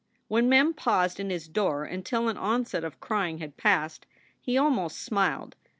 When Mem paused in his door until an onset of crying had passed, he almost smiled.